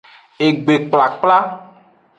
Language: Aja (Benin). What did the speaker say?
Egbekplakpla.